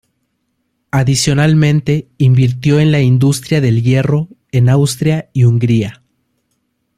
Adicionalmente invirtió en la industria del hierro en Austria y Hungría.